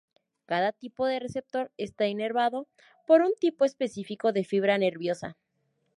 Cada tipo de receptor está inervado por un tipo específico de fibra nerviosa.